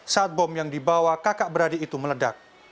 saat bom yang dibawa kakak beradik itu meledak